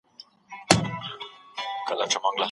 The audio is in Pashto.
ایا د وزن کمول د بندونو دردونه کموي؟